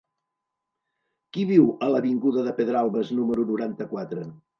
Qui viu a l'avinguda de Pedralbes número noranta-quatre?